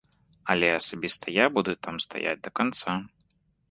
Але асабіста я буду там стаяць да канца.